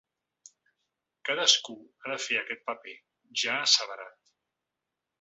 Cadascú ha de fer aquest paper, ja asseverat.